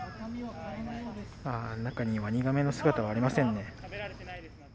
中にワニガメの姿はありませんね。